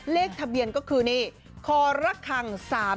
เลขทะเบียนก็คือนี่คอระคัง๓๔